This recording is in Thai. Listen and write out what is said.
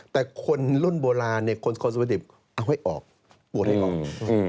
แต่คนรุ่นโบราณเนี่ยคนคอสบัติเอาให้ออกบวชให้ออก